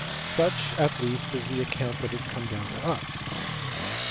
Such at least is the account that has come down to us.